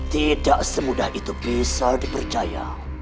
tidak semudah itu bisa dipercaya